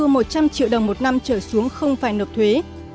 doanh thu một trăm linh triệu đồng một năm trở xuống không phải nộp thuế